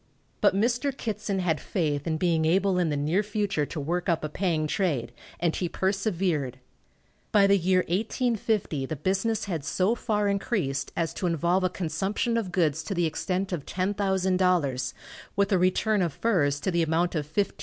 But Mr. Kittson had faith in being able in the near future to work up a paying trade, and he persevered. By the year 1850 the business had so far increased as to involve a consumption of goods to the extent of $10,000, with a return of furs to the amount of $15,000.